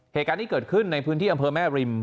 เหตุการณ์ที่เกิดขึ้นในพื้นที่อำเภอแม่ริม